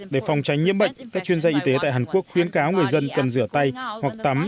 để phòng tránh nhiễm bệnh các chuyên gia y tế tại hàn quốc khuyến cáo người dân cần rửa tay hoặc tắm